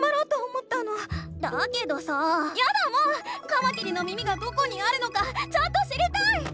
カマキリの耳がどこにあるのかちゃんと知りたい！